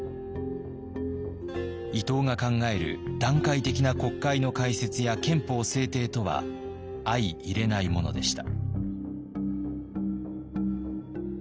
伊藤が考える段階的な国会の開設や憲法制定とは相いれないものでした。